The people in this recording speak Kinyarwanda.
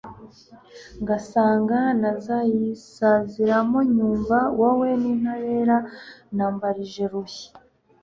ngasanga nazayisaziramonyumva wowe w'intabera nambarije ruhi